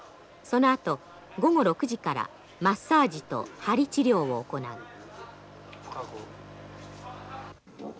そのあと午後６時からマッサージとはり治療を行う。